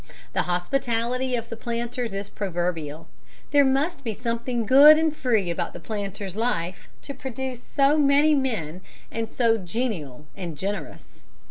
The hospitality of the planters is proverbial: there must be something good and free about the planter's life to produce men so genial and generous.